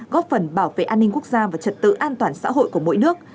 góp phần bảo vệ an ninh quốc gia và trật tự an toàn xã hội của mỗi nước